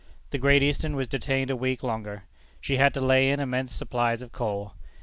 The Great Eastern was detained a week longer. She had to lay in immense supplies of coal.